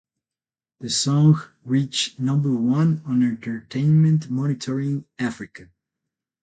The song reached number one on Entertainment Monitoring Africa.